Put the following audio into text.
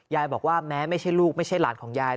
บอกว่าแม้ไม่ใช่ลูกไม่ใช่หลานของยาย